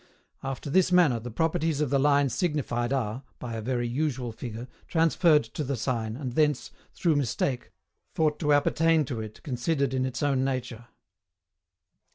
After this manner, the properties of the lines signified are (by a very usual figure) transferred to the sign, and thence, through mistake, though to appertain to it considered in its own nature.